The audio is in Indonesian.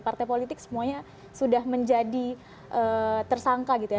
partai politik semuanya sudah menjadi tersangka gitu ya